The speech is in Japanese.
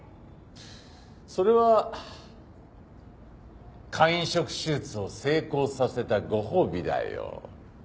それは肝移植手術を成功させたご褒美だよ。